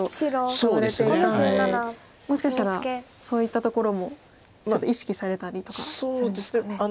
使われていたのでもしかしたらそういったところもちょっと意識されたりとかするんですかね。